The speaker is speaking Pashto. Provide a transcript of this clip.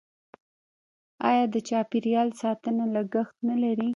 آیا د چاپیریال ساتنه لګښت نلري؟